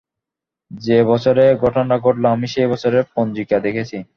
যে-বছরে ঘটনাটা ঘটল, আমি সেই বছরের পঞ্জিকা দেখেছি।